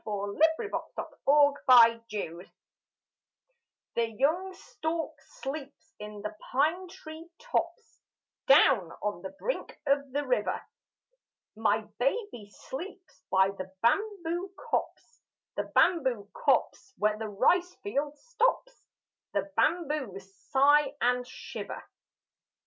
A JAPANESE MOTHER (IN TIME OF WAR) The young stork sleeps in the pine tree tops, Down on the brink of the river. My baby sleeps by the bamboo copse The bamboo copse where the rice field stops: The bamboos sigh and shiver.